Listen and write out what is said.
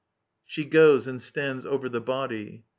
[Shi goes and stands over the body.